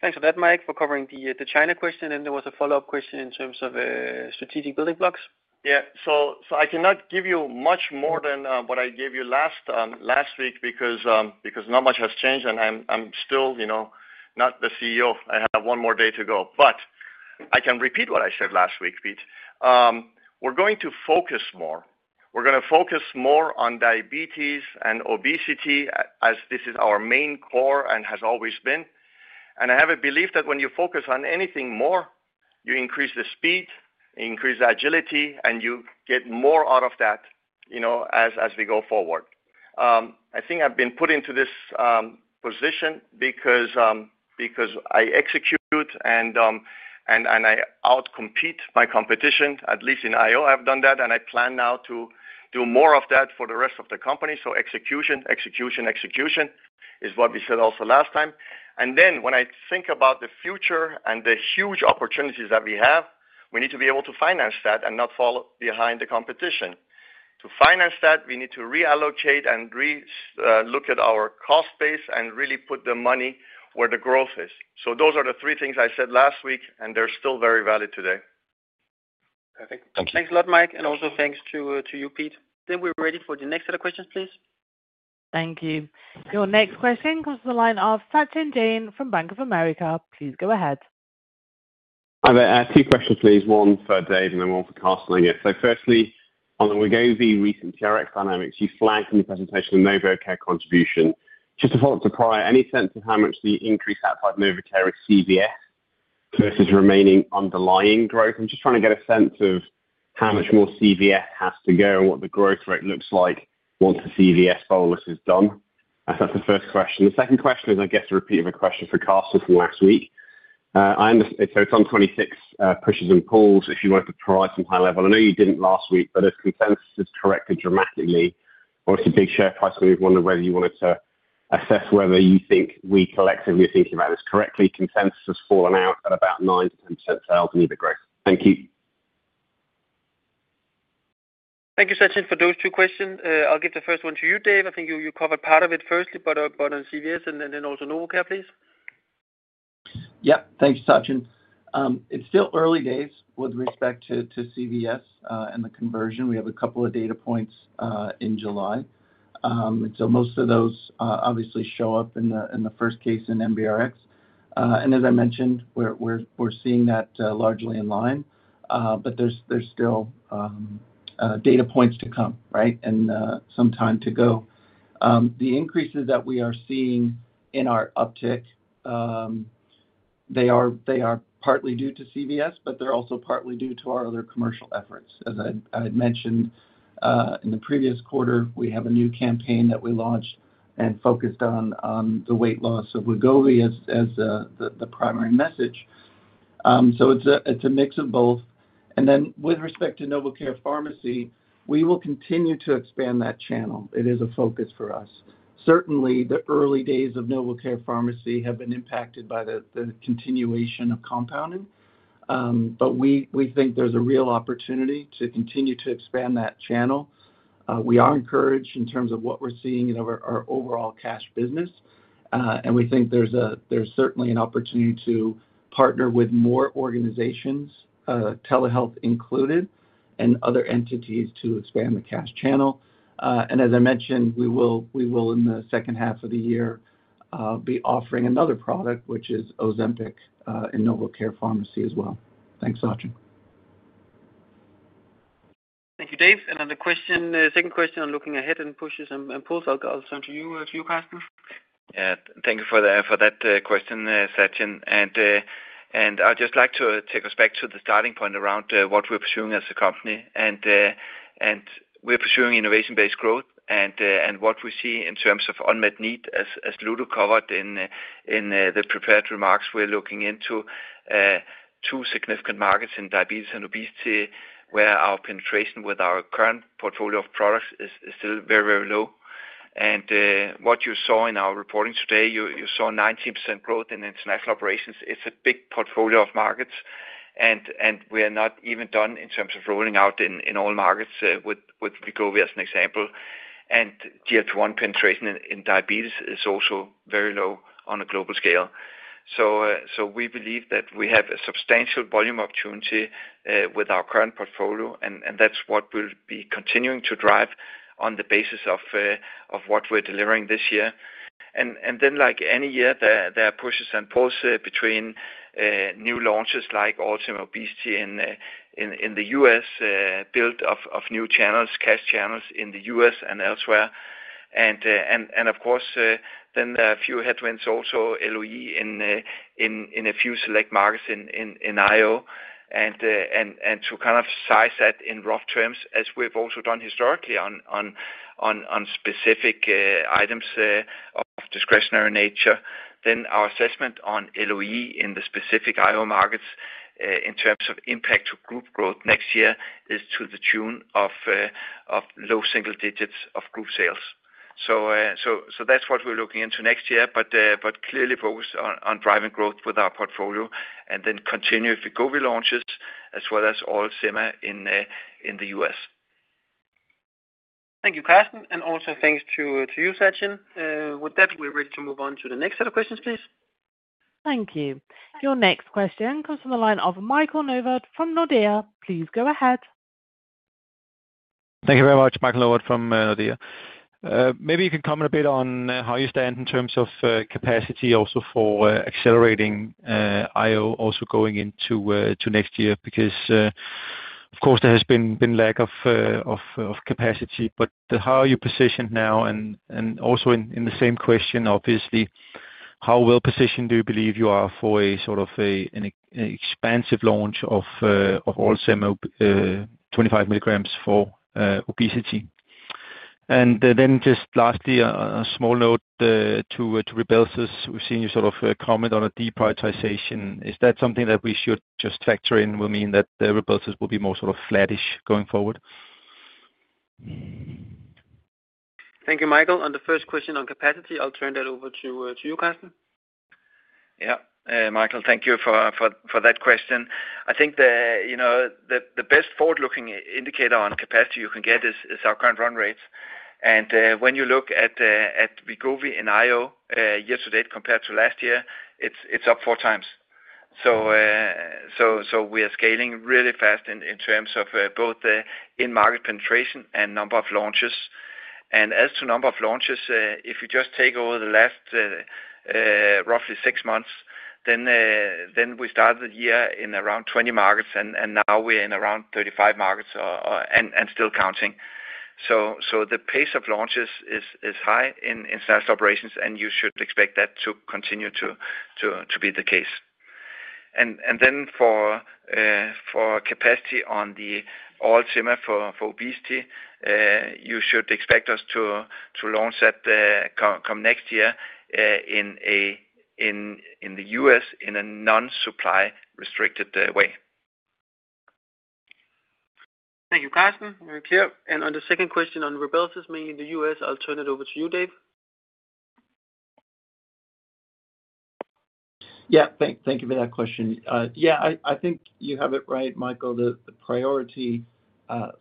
Thanks for that, Mike, for covering the China question. There was a follow-up question in terms of strategic building blocks. Yeah, so I cannot give you much more than what I gave you last week because not much has changed, and I'm still not the CEO. I have one more day to go. I can repeat what I said last week, Pete. We're going to focus more. We're going to focus more on diabetes and obesity, as this is our main core and has always been. I have a belief that when you focus on anything more, you increase the speed, you increase the agility, and you get more out of that as we go forward. I think I've been put into this position because I execute and I outcompete my competition. At least in International Operations, I've done that, and I plan now to do more of that for the rest of the company. Execution, execution, execution is what we said also last time. When I think about the future and the huge opportunities that we have, we need to be able to finance that and not fall behind the competition. To finance that, we need to reallocate and relook at our cost base and really put the money where the growth is. Those are the three things I said last week, and they're still very valid today. Perfect. Thank you. Thanks a lot, Mike, and also thanks to you, Pete. We are ready for the next set of questions, please. Thank you. Your next question comes from the line of Sachin Jain from Bank of America. Please go ahead. I have a few questions, please. One for Dave and then one for Karsten, I guess. Firstly, on the Wegovy recent generic dynamics, you flagged in the presentation of NovoCare contribution. Just to follow up to prior, any sense of how much the increase outside NovoCare is CVS versus remaining underlying growth? I'm just trying to get a sense of how much more CVS has to go and what the growth rate looks like once the CVS bonus is done. That's the first question. The second question is, I guess, a repeat of a question for Karsten from last week. I understand it's on 26 pushes and pulls, if you want to provide some high level. I know you didn't last week, but as consensus has corrected dramatically, obviously big share price move, I wonder whether you wanted to assess whether you think we collectively are thinking about this correctly. Consensus has fallen out at about 9 to 10% for alpha-neutral growth. Thank you. Thank you, Sachin, for those two questions. I'll give the first one to you, Dave. I think you covered part of it firstly, but on CVS and then also NovoCare, please. Yeah, thanks, Sachin. It's still early days with respect to CVS and the conversion. We have a couple of data points in July. Most of those obviously show up in the first case in MBRX. As I mentioned, we're seeing that largely in line, but there's still data points to come, right, and some time to go. The increases that we are seeing in our uptick are partly due to CVS, but they're also partly due to our other commercial efforts. As I had mentioned in the previous quarter, we have a new campaign that we launched and focused on the weight loss of Wegovy as the primary message. It's a mix of both. With respect to NovoCare Pharmacy, we will continue to expand that channel. It is a focus for us. Certainly, the early days of NovoCare Pharmacy have been impacted by the continuation of compounding, but we think there's a real opportunity to continue to expand that channel. We are encouraged in terms of what we're seeing in our overall cash business, and we think there's certainly an opportunity to partner with more organizations, telehealth included, and other entities to expand the cash channel. As I mentioned, we will, in the second half of the year, be offering another product, which is Ozempic, in NovoCare Pharmacy as well. Thanks, Sachin. Thank you, Dave. The second question on looking ahead and pushes and pulls, I'll turn to you, Karsten. Yeah, thank you for that question, Sachin. I'd just like to take us back to the starting point around what we're pursuing as a company. We're pursuing innovation-based growth. What we see in terms of unmet need, as Ludo covered in the prepared remarks, we're looking into two significant markets in diabetes and obesity, where our penetration with our current portfolio of products is still very, very low. What you saw in our reporting today, you saw 19% growth in International Operations. It's a big portfolio of markets. We are not even done in terms of rolling out in all markets with Wegovy as an example. GLP-1 penetration in diabetes is also very low on a global scale. We believe that we have a substantial volume opportunity with our current portfolio, and that's what we'll be continuing to drive on the basis of what we're delivering this year. Like any year, there are pushes and pulls between new launches like Alzheimer's Obesity in the U.S., build of new channels, cash channels in the U.S. and elsewhere. Of course, then a few headwinds also, LOE in a few select markets in International Operations. To kind of size that in rough terms, as we've also done historically on specific items of discretionary nature, our assessment on LOE in the specific International Operations markets in terms of impact to group growth next year is to the tune of low single digits of group sales. That's what we're looking into next year, but clearly focused on driving growth with our portfolio and continuing with Wegovy launches as well as Ozempic in the U.S. Thank you, Karsten. Thank you, Sachin. With that, we're ready to move on to the next set of questions, please. Thank you. Your next question comes from the line of Michael Novod from Nordea. Please go ahead. Thank you very much, Michael Novod from Nordea. Maybe you can comment a bit on how you stand in terms of capacity also for accelerating International Operations also going into next year, because, of course, there has been a lack of capacity. How are you positioned now? Also, in the same question, obviously, how well positioned do you believe you are for a sort of an expansive launch of Ozempic 25 mg for obesity? Lastly, a small note to Rybelsus. We've seen you sort of comment on a deprioritization. Is that something that we should just factor in? Will it mean that Rybelsus will be more sort of flattish going forward? Thank you, Michael. On the first question on capacity, I'll turn that over to you, Karsten. Yeah, Michael, thank you for that question. I think the best forward-looking indicator on capacity you can get is our current run rate. When you look at Wegovy in International Operations, year to date compared to last year, it's up four times. We are scaling really fast in terms of both in-market penetration and number of launches. As to number of launches, if you just take over the last roughly six months, we started the year in around 20 markets, and now we're in around 35 markets and still counting. The pace of launches is high in International Operations, and you should expect that to continue to be the case. For capacity on the Alzheimer's for obesity, you should expect us to launch that come next year in the U.S. in a non-supply-restricted way. Thank you, Karsten. Very clear. On the second question on Rybelsus, mainly in the US, I'll turn it over to you, Dave. Yeah, thank you for that question. I think you have it right, Michael. The priority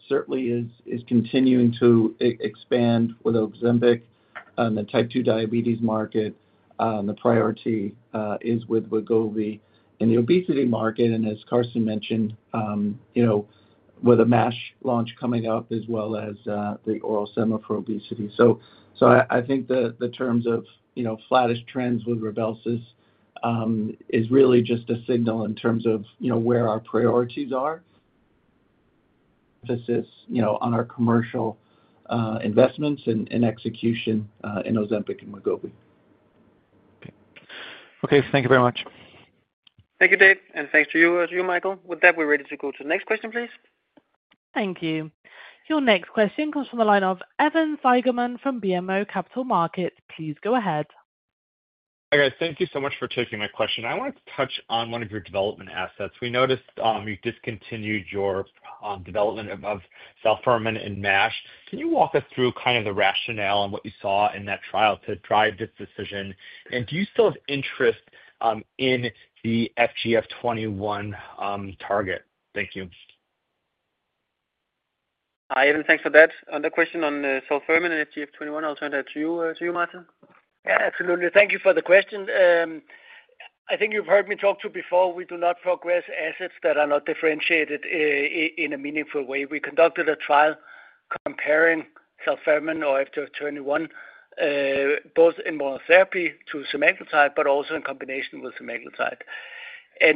certainly is continuing to expand with Ozempic in the type 2 diabetes market. The priority is with Wegovy in the obesity market. As Karsten mentioned, with a MASH launch coming up, as well as the oral sema for obesity, I think the terms of flattish trends with Rybelsus is really just a signal in terms of where our priorities are. This is on our commercial investments and execution in Ozempic and Wegovy. Okay, thank you very much. Thank you, Dave. Thank you, Michael. With that, we're ready to go to the next question, please. Thank you. Your next question comes from the line of Evan Seigerman from BMO Capital Markets. Please go ahead. Hi, guys. Thank you so much for taking my question. I wanted to touch on one of your development assets. We noticed you discontinued your development of self-permanent and MASH. Can you walk us through kind of the rationale and what you saw in that trial to drive this decision? Do you still have interest in the FGF-21 target? Thank you. Hi, Evan. Thanks for that. On the question on self-permanent and FGF-21, I'll turn that to you, Martin. Yeah, absolutely. Thank you for the question. I think you've heard me talk to before. We do not progress assets that are not differentiated in a meaningful way. We conducted a trial comparing self-permanent or FGF-21, both in monotherapy to semaglutide, but also in combination with semaglutide.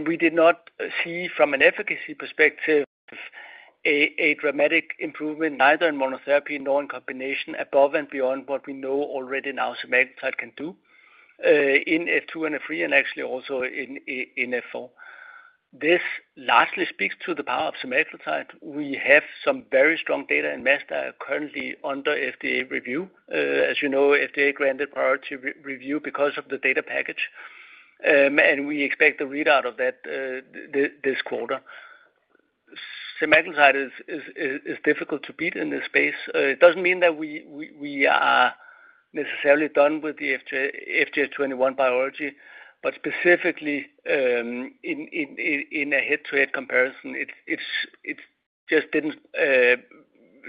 We did not see from an efficacy perspective a dramatic improvement neither in monotherapy nor in combination, above and beyond what we know already now semaglutide can do in F2 and F3 and actually also in F4. This largely speaks to the power of semaglutide. We have some very strong data in MASH that are currently under FDA review. As you know, FDA granted priority review because of the data package. We expect the readout of that this quarter. Semaglutide is difficult to beat in this space. It doesn't mean that we are necessarily done with the FGF-21 biology, but specifically in a head-to-head comparison, it just didn't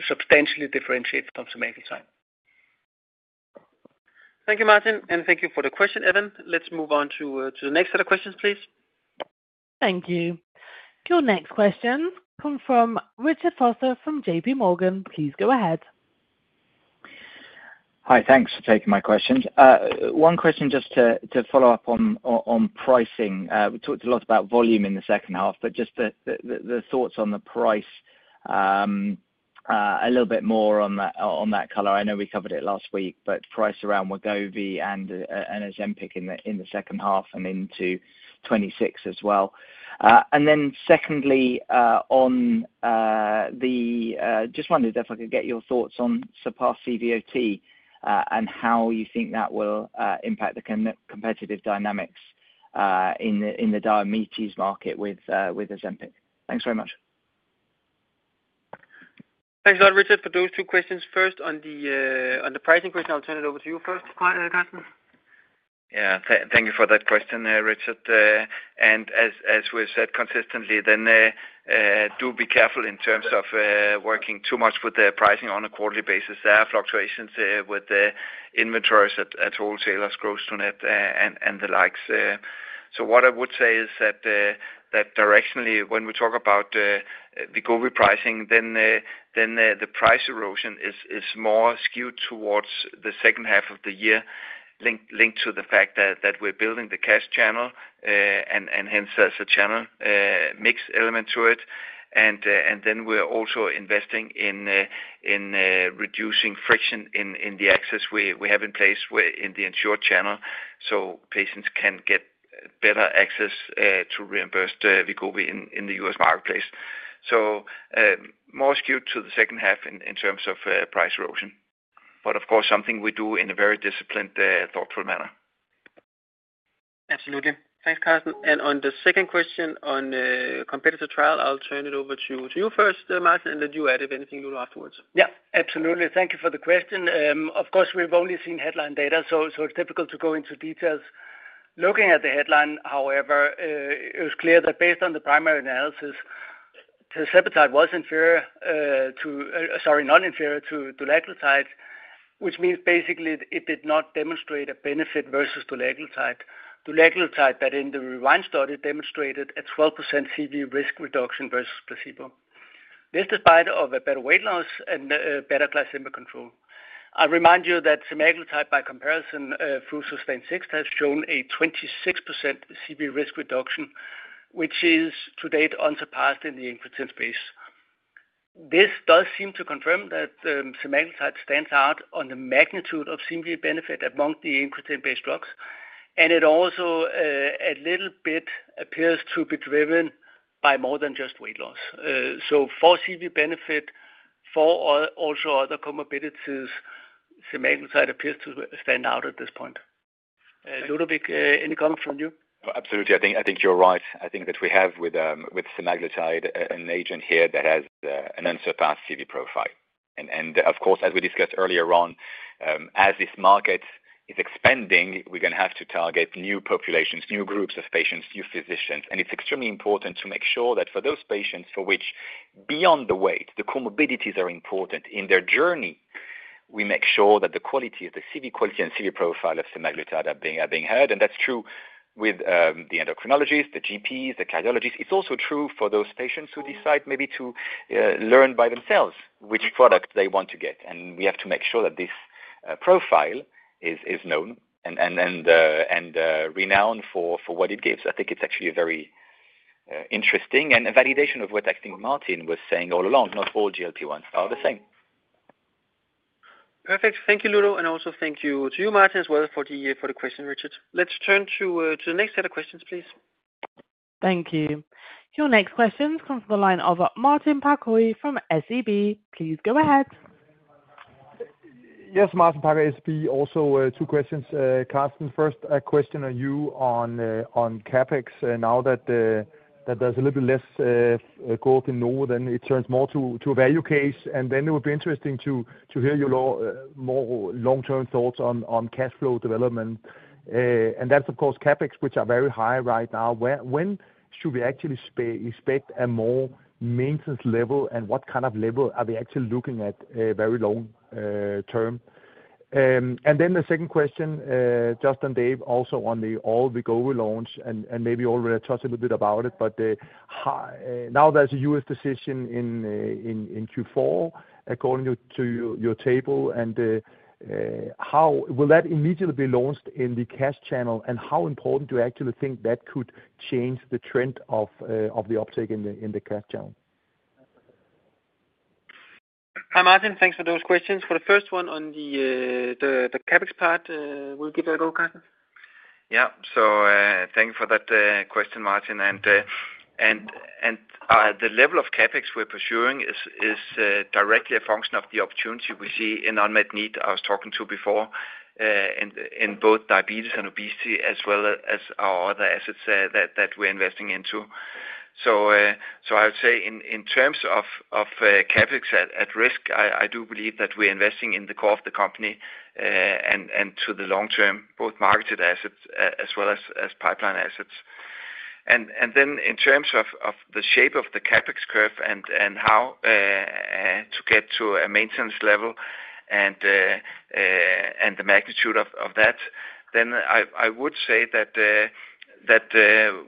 substantially differentiate from semaglutide. Thank you, Martin. Thank you for the question, Evan. Let's move on to the next set of questions, please. Thank you. Your next question comes from Richard Vosser from J.P. Morgan. Please go ahead. Hi, thanks for taking my questions. One question just to follow up on pricing. We talked a lot about volume in the second half, just the thoughts on the price a little bit more on that color. I know we covered it last week, price around Wegovy and Ozempic in the second half and into 2026 as well. Secondly, I just wondered if I could get your thoughts on SUPREME CVOT and how you think that will impact the competitive dynamics in the diabetes market with Ozempic. Thanks very much. Thanks a lot, Richard, for those two questions. First, on the pricing question, I'll turn it over to you first, Karsten. Yeah, thank you for that question, Richard. As we've said consistently, do be careful in terms of working too much with the pricing on a quarterly basis. There are fluctuations with the inventories at wholesalers, gross to net, and the likes. What I would say is that directionally, when we talk about the Wegovy pricing, the price erosion is more skewed towards the second half of the year, linked to the fact that we're building the cash channel and hence the channel mix element to it. We're also investing in reducing friction in the access we have in place in the insured channel so patients can get better access to reimbursed Wegovy in the U.S. marketplace. More skewed to the second half in terms of price erosion. Of course, this is something we do in a very disciplined, thoughtful manner. Absolutely. Thanks, Karsten. On the second question on the competitor trial, I'll turn it over to you first, Martin, and let you add if anything you know afterwards. Yeah, absolutely. Thank you for the question. Of course, we've only seen headline data, so it's difficult to go into details. Looking at the headline, however, it was clear that based on the primary analysis, tirzepatide was not inferior to dulaglutide, which means basically it did not demonstrate a benefit versus dulaglutide. Dulaglutide, that in the REWIND study demonstrated a 12% CV risk reduction versus placebo. This is despite a better weight loss and better glycemic control. I'll remind you that semaglutide by comparison through SUSTAIN-6 has shown a 26% CV risk reduction, which is to date unsurpassed in the incretin space. This does seem to confirm that semaglutide stands out on the magnitude of CV benefit among the incretin-based drugs, and it also a little bit appears to be driven by more than just weight loss. For CV benefit, for also other comorbidities, semaglutide appears to stand out at this point. Ludo, any comment from you? Absolutely. I think you're right. I think that we have with semaglutide an agent here that has an unsurpassed CV profile. Of course, as we discussed earlier on, as this market is expanding, we're going to have to target new populations, new groups of patients, new physicians. It's extremely important to make sure that for those patients for which beyond the weight, the comorbidities are important in their journey, we make sure that the quality of the CV quality and CV profile of semaglutide are being heard. That's true with the endocrinologists, the GPs, the cardiologists. It's also true for those patients who decide maybe to learn by themselves which product they want to get. We have to make sure that this profile is known and renowned for what it gives. I think it's actually very interesting and a validation of what I think Martin was saying all along. Not all GLP-1s are the same. Perfect. Thank you, Ludo. Thank you to you, Martin, as well for the question, Richard. Let's turn to the next set of questions, please. Thank you. Your next question comes from the line of Martin Parkhøi from SEB. Please go ahead. Yes, Martin Parkhøi SEB, also two questions. Karsten, first question on you on CapEx. Now that there's a little bit less growth in Novo Nordisk, then it turns more to a value case. It would be interesting to hear your more long-term thoughts on cash flow development. That's, of course, CapEx, which are very high right now. When should we actually expect a more maintenance level and what kind of level are we actually looking at very long term? The second question, just on Dave, also on the Wegovy launch, and maybe already, I'll touch a little bit about it. Now there's a US position in Q4 according to your table. How will that immediately be launched in the cash channel? How important do you actually think that could change the trend of the uptake in the cash channel? Martin, thanks for those questions. For the first one on the CapEx part, will you give that a go, Karsten? Thank you for that question, Martin. The level of CapEx we're pursuing is directly a function of the opportunity we see in unmet need I was talking to before in both diabetes and obesity, as well as our other assets that we're investing into. I would say in terms of CapEx at risk, I do believe that we're investing in the core of the company and to the long term, both marketed assets as well as pipeline assets. In terms of the shape of the CapEx curve and how to get to a maintenance level and the magnitude of that, I would say that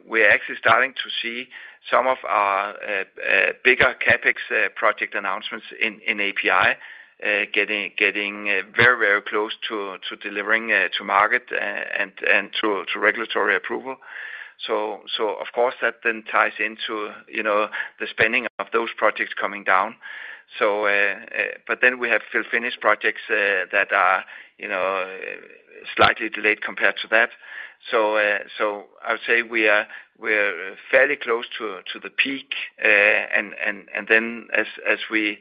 we're actually starting to see some of our bigger CapEx project announcements in API getting very, very close to delivering to market and to regulatory approval. Of course, that then ties into the spending of those projects coming down. We have still finished projects that are slightly delayed compared to that. I would say we are fairly close to the peak. As we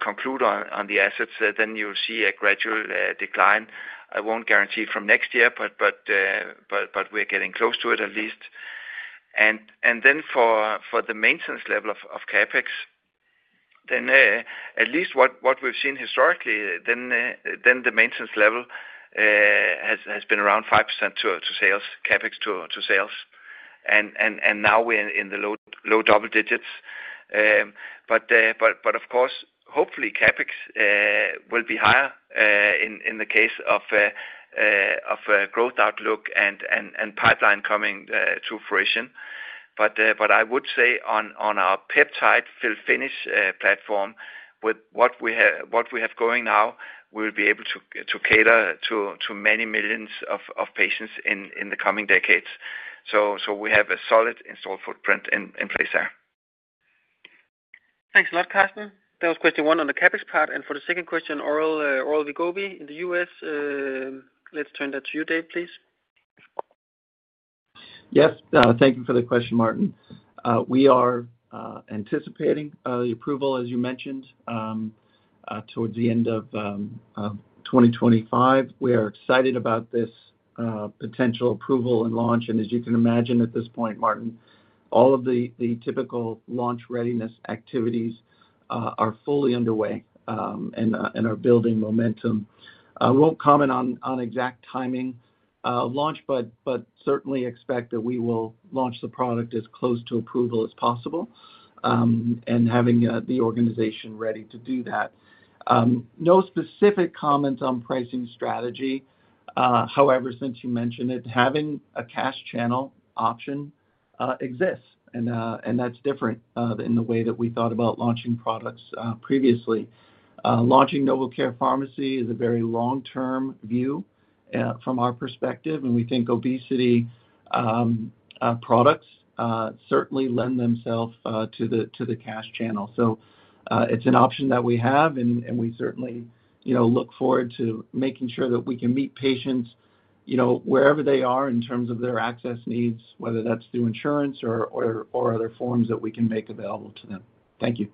conclude on the assets, you'll see a gradual decline. I won't guarantee it from next year, but we're getting close to it at least. For the maintenance level of CapEx, at least what we've seen historically, the maintenance level has been around 5% to sales, CapEx to sales. Now we're in the low double digits. Of course, hopefully, CapEx will be higher in the case of growth outlook and pipeline coming to fruition. I would say on our peptide fill-finish platform, with what we have going now, we'll be able to cater to many millions of patients in the coming decades. We have a solid installed footprint in place there. Thanks a lot, Karsten. That was question one on the CapEx part. For the second question, oral Wegovy in the U.S., let's turn that to you, Dave, please. Yes, thank you for the question, Martin. We are anticipating the approval, as you mentioned, towards the end of 2025. We are excited about this potential approval and launch. As you can imagine at this point, Martin, all of the typical launch readiness activities are fully underway and are building momentum. I will not comment on exact timing of launch, but certainly expect that we will launch the product as close to approval as possible and having the organization ready to do that. No specific comments on pricing strategy. However, since you mentioned it, having a cash channel option exists, and that is different than the way that we thought about launching products previously. Launching NovoCare Pharmacy is a very long-term view from our perspective, and we think obesity products certainly lend themselves to the cash channel. It is an option that we have, and we certainly look forward to making sure that we can meet patients wherever they are in terms of their access needs, whether that is through insurance or other forms that we can make available to them. Thank you.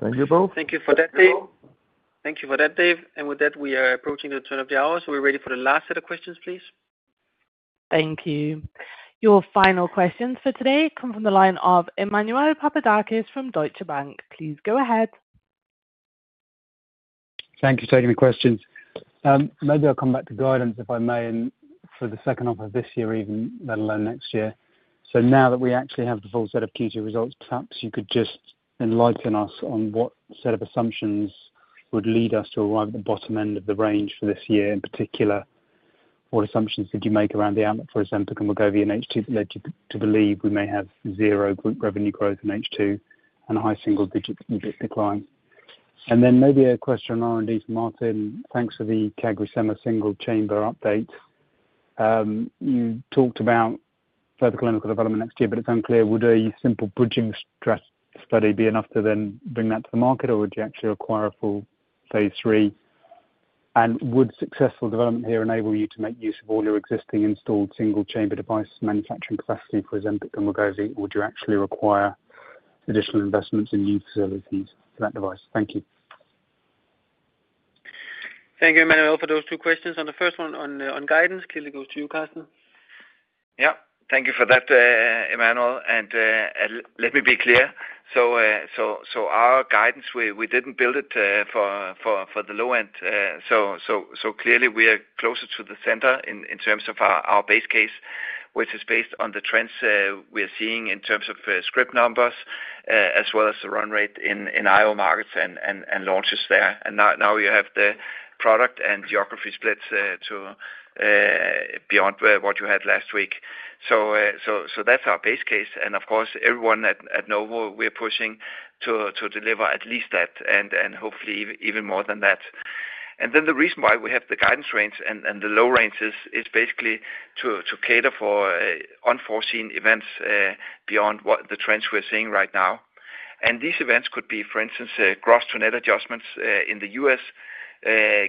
Thank you, both. Thank you for that, Dave. As we are approaching the turn of the hour, we're ready for the last set of questions, please. Thank you. Your final questions for today come from the line of Emmanuel Douglas Papadakis from Deutsche Bank. Please go ahead. Thank you for taking the questions. Maybe I'll come back to guidance if I may, and for the second half of this year, even let alone next year. Now that we actually have the full set of Q2 results, perhaps you could just enlighten us on what set of assumptions would lead us to arrive at the bottom end of the range for this year in particular. What assumptions did you make around the outlook for Ozempic? We'll go via an H2 that led you to believe we may have zero revenue growth in H2 and a high single-digit EBIT decline. Maybe a question on R&D to Martin. Thanks for the CagriSema single chamber update. You talked about further clinical development next year, but it's unclear. Would a simple bridging study be enough to then bring that to the market, or would you actually require a full phase 3? Would successful development here enable you to make use of all your existing installed single chamber device manufacturing capacity for Ozempic and Wegovy, or would you actually require additional investments in new facilities for that device? Thank you. Thank you, Emmanuel, for those two questions. On the first one on guidance, clearly goes to you, Karsten. Thank you for that, Emmanuel. Let me be clear. Our guidance, we did not build it for the low end. We are closer to the center in terms of our base case, which is based on the trends we are seeing in terms of script numbers as well as the run rate in International Operations markets and launches there. Now you have the product and geography splits beyond what you had last week. That is our base case. Of course, everyone at Novo Nordisk, we are pushing to deliver at least that and hopefully even more than that. The reason why we have the guidance range and the low range is basically to cater for unforeseen events beyond what the trends we are seeing right now. These events could be, for instance, gross-to-net adjustments in the U.S.,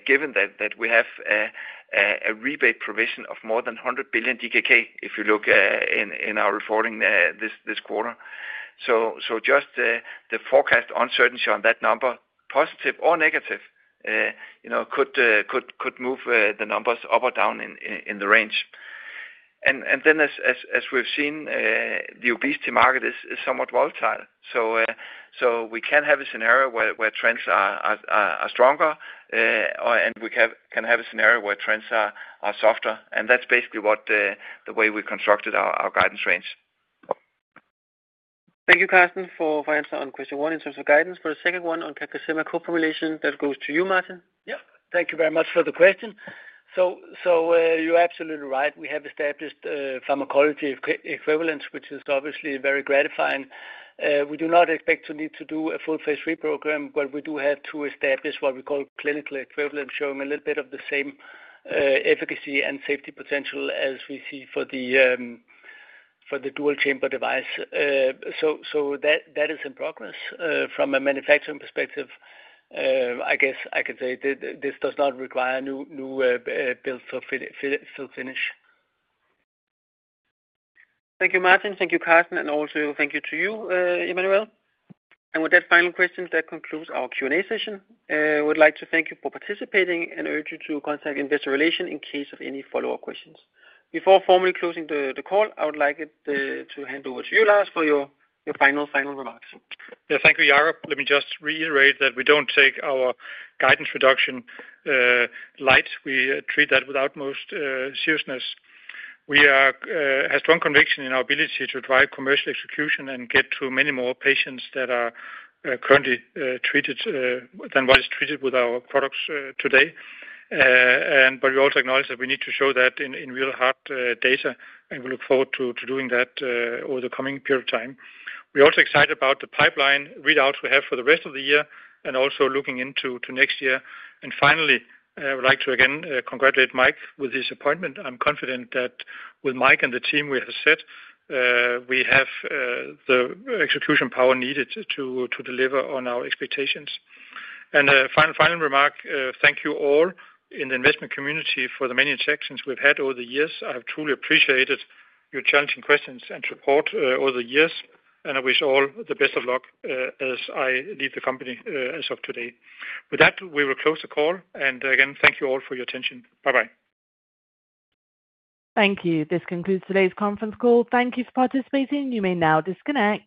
given that we have a rebate provision of more than 100 billion DKK, if you look in our reporting this quarter. Just the forecast uncertainty on that number, positive or negative, could move the numbers up or down in the range. As we have seen, the obesity market is somewhat volatile. We can have a scenario where trends are stronger, and we can have a scenario where trends are softer. That is basically the way we constructed our guidance range. Thank you, Karsten, for answering on question one in terms of guidance. For the second one on CagriSema co-population, that goes to you, Martin. Thank you very much for the question. You're absolutely right. We have established pharmacology equivalents, which is obviously very gratifying. We do not expect to need to do a full phase 3 program, but we do have to establish what we call clinical equivalents, showing a little bit of the same efficacy and safety potential as we see for the dual chamber device. That is in progress from a manufacturing perspective. I can say this does not require new pills to fill finish. Thank you, Martin. Thank you, Karsten. Thank you to you, Emmanuel. With that final question, that concludes our Q&A session. I would like to thank you for participating and urge you to contact Investor Relations in case of any follow-up questions. Before formally closing the call, I would like to hand over to you, Lars, for your final remarks. Yeah, thank you, Yara. Let me just reiterate that we don't take our guidance reduction light. We treat that with utmost seriousness. We have a strong conviction in our ability to drive commercial execution and get to many more patients that are currently treated than what is treated with our products today. We also acknowledge that we need to show that in real hard data, and we look forward to doing that over the coming period of time. We're also excited about the pipeline readouts we have for the rest of the year and also looking into next year. Finally, I would like to again congratulate Mike with his appointment. I'm confident that with Mike and the team we have set, we have the execution power needed to deliver on our expectations. A final remark, thank you all in the investment community for the many interactions we've had over the years. I have truly appreciated your challenging questions and support over the years, and I wish all the best of luck as I leave the company as of today. With that will close the call. Again, thank you all for your attention. Bye-bye. Thank you. This concludes today's conference call. Thank you for participating. You may now disconnect.